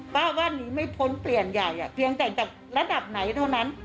บ้านนี้ไม่พ้นเปลี่ยนใหญ่เพียงแต่จากระดับไหนเท่านั้น